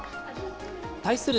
対する